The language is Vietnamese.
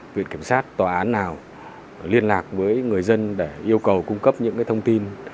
viện kiểm sát tòa án nào liên lạc với người dân để yêu cầu cung cấp những thông tin